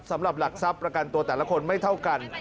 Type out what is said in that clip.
สำหรับหลักทรัพย์ประกันตัวแต่ละคนไม่เท่ากัน